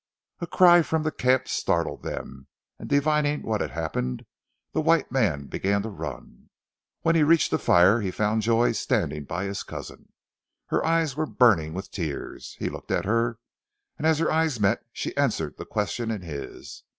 A cry from the camp startled them, and divining what had happened, the white man began to run. When he reached the fire he found Joy standing by his cousin. Her eyes were burning with tears. He looked at her, and as their eyes met, she answered the question in his.